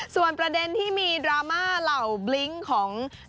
ส่วนประเด็นที่มีดราม่าเหล่าบลิ้งของ